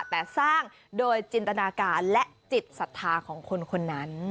แต่สร้างโดยจินตนาการและจิตศรัทธาของคนคนนั้น